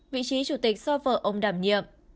vị trí chủ tịch so với ông đảm nhiệm